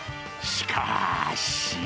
しかし。